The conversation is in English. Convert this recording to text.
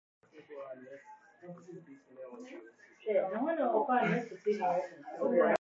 He was the main precursor in Brazil of the Worship Movement.